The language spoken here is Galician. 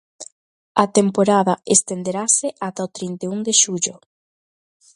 A temporada estenderase ata o trinta e un de xullo.